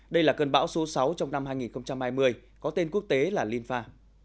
đây là cơn bão số sáu trong năm hai nghìn hai mươi có tên quốc tế là linfa